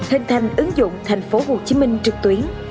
hình thành ứng dụng tp hcm trực tuyến